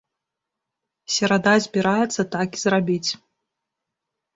Серада збіраецца так і зрабіць.